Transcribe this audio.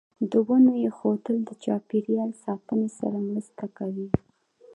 د ونو ایښودل د چاپیریال ساتنې سره مرسته کوي.